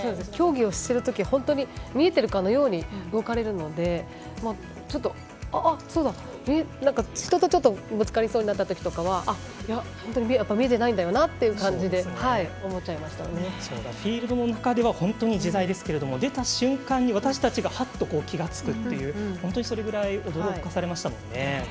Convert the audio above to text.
競技をしてるとき本当に見えているかのように動かれるので、人とぶつかりそうになったときとかはやっぱ見えてないんだよなっていう感じでフィールドの中では本当に自在ですけど出た瞬間に私たちがはっと気が付くという本当にそれぐらい驚かされましたもんね。